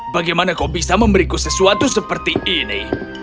bagaimana kau bisa memberiku sesuatu seperti ini